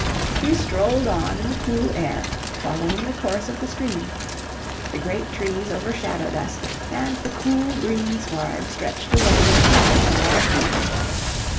We strolled on in the cool air, following the course of the stream; the great trees overshadowed us, and the cool, green sward stretched away between them at our feet.